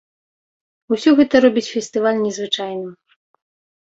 Усё гэта робіць фестываль незвычайным.